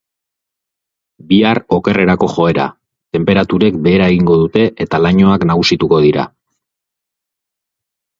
Bihar okerrerako joera, tenperaturek behera egingo dute eta lainoak nagusituko dira.